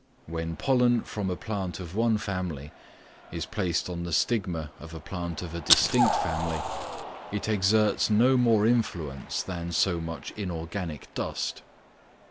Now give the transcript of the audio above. When pollen from a plant of one family is placed on the stigma of a plant of a distinct family, it exerts no more influence than so much inorganic dust.